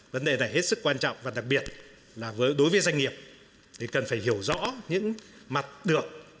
vấn đề này hết sức quan trọng và đặc biệt là đối với doanh nghiệp thì cần phải hiểu rõ những mặt được